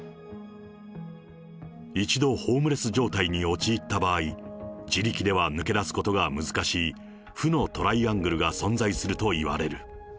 一度ホームレス状態に陥った場合、自力では抜け出すことが難しい、負のトライアングルが存在するといわれる。